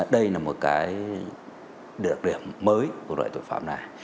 đây là một cái được điểm mới của loại tội phạm này